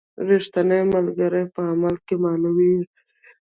رښتینی ملګری په عمل کې معلومیږي.